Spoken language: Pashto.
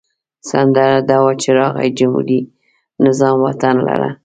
سندره دا وه چې راغی جمهوري نظام وطن لره.